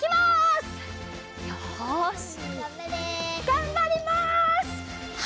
がんばります！